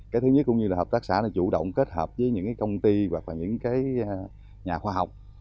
cái thứ nhất cũng như là hạ bắc xã đã chủ động kết hợp với những cái công ty hoặc là những cái nhà khoa học